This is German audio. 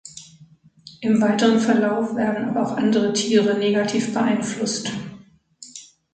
Im weiteren Verlauf werden aber auch andere Tiere negativ beeinflusst.